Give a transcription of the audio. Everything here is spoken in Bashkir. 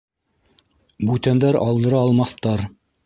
Бүтәндәр булдыра алмаҫтар.